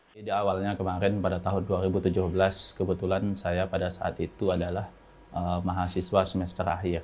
pada awalnya pada tahun dua ribu tujuh belas kebetulan pada saat itu saya mahasiswa semester akhir